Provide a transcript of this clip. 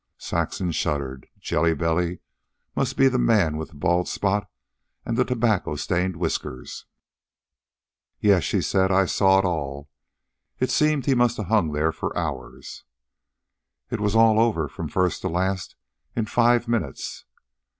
Saxon shuddered. Jelly Belly must be the man with the bald spot and the tobacco stained whiskers. "Yes," she said. "I saw it all. It seemed he must have hung there for hours." "It was all over, from first to last, in five minutes."